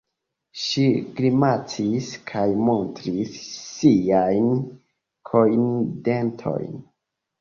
Ŝi grimacis kaj montris siajn kojndentojn.